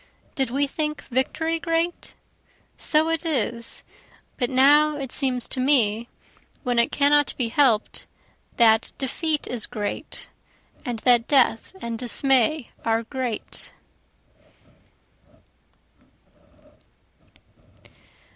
Did we think victory great? So it is but now it seems to me, when it cannot be help'd, that defeat is great, And that death and dismay are great.